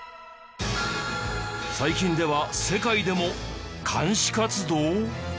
最近では世界でも監視活動！？